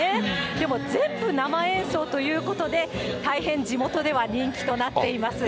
でも、全部生演奏ということで、大変地元では人気となっています。